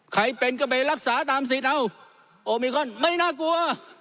ใครเป็นก็ไปรักษาตามสิทธิ์เอาโอมิคอนไม่น่ากลัว